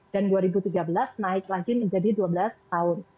dan dua ribu tiga belas naik lagi menjadi dua belas tahun